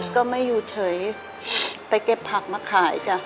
ก่อนก็ไม่หยุดเฉยไปเก็บผักมาขาย